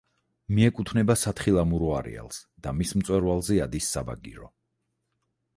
მიეკუთვნება სათხილამურო არეალს და მის მწვერვალზე ადის საბაგირო.